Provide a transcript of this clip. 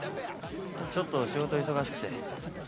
ちょっと仕事忙しくて。